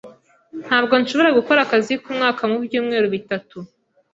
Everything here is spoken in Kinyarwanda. Ntabwo nshobora gukora akazi k'umwaka mu byumweru bitatu.